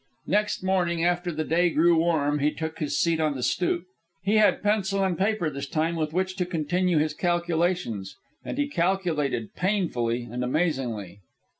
Next morning, after the day grew warm, he took his seat on the stoop. He had pencil and paper this time with which to continue his calculations, and he calculated painfully and amazingly.